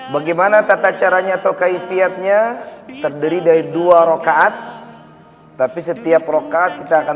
bagaimana tata caranya tokai fiatnya terdiri dari dua rokaat tapi setiap rokaat kita akan